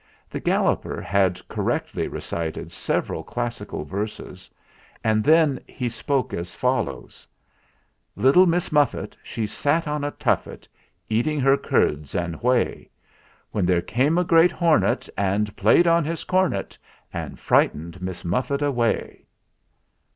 The Galloper had correctly recited several classical verses, and then he spoke as follows: "Little Miss Muffet She sat on a tuffet, Eating her curds and whey, When there came a great hornet And played on his cornet And frightened Miss Muffet away."